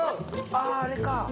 あぁあれか！